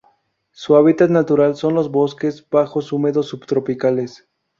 Su hábitat natural son los bosques bajos húmedos subtropicales.